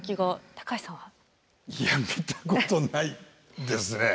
高橋さんは？いや見たことないですね。